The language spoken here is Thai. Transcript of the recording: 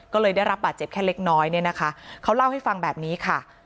ก็เลยได้รับบาดเจ็บแค่เล็กน้อยเนี่ยนะคะเขาเล่าให้ฟังแบบนี้ค่ะ